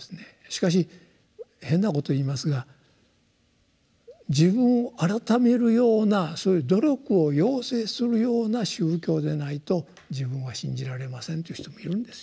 しかし変なことを言いますが自分を改めるようなそういう努力を要請するような宗教でないと自分は信じられませんという人もいるんですよ。